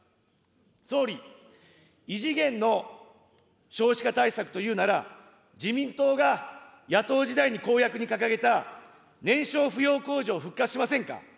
総理、異次元の少子化対策というなら、自民党が野党時代に公約に掲げた年少扶養控除を復活しませんか。